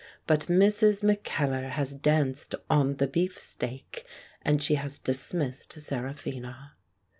But Mrs. Mackellar has danced on the beefsteak, and she has dismissed Seraphina.